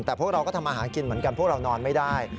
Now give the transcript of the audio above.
แต่พวกเราก็ทำอาหารกินเหมือนกันพวกเรานอนไม่ได้